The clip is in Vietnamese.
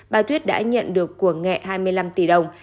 bà tuyết đã nhận được của nghẹ hai mươi năm tỷ đồng